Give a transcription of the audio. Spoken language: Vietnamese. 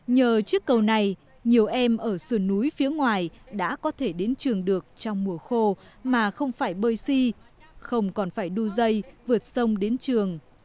nhờ chiếc cầu này nhiều em ở sườn núi phía ngoài đã có thể đến trường được trong mùa khô mà không phải bơi si không còn phải đu dây vượt sông đến trường